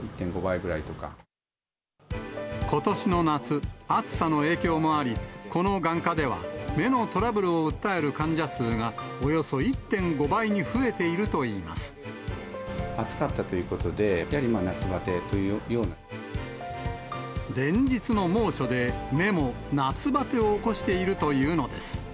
ことしの夏、暑さの影響もあり、この眼科では、目のトラブルを訴える患者数がおよそ１．５倍に増えているといい暑かったということで、連日の猛暑で、目も夏バテを起こしているというのです。